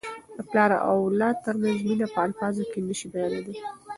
د پلار او اولاد ترمنځ مینه په الفاظو کي نه سي بیانیدلی.